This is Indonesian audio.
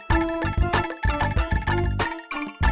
jangan lupa like share dan subscribe